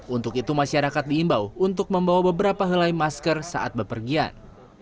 untuk itu masyarakat diimbau untuk membawa beberapa helai masker saat bepergian